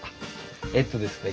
えっとですね